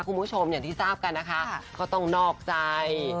คุณผู้ชมอย่างที่ทราบกันนะคะก็ต้องนอกใจ